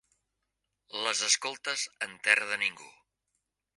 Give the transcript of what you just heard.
Les escoltes en terra de ningú